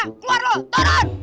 keluar lo turun